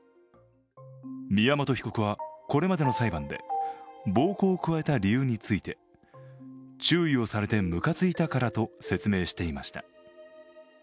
宮本被告はこれまでの裁判で、暴行を加えた理由について、注意をされてムカついたからと説明していました。